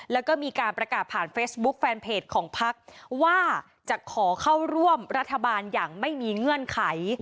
แล้วก็มีการประกาศผ่านเฟซบุ๊คแฟนเพจของพักว่าจะขอเข้าร่วมรัฐบาลอย่างไม่มีเงื่อนไข